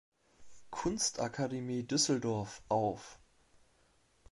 Kunstakademie Düsseldorf auf.